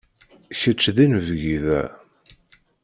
Kečč d inebgi da.